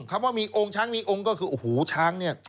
คำว่ามีองค์ช้างมีองค์ก็คือโอ้โหช้างเนี่ย